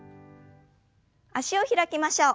脚を開きましょう。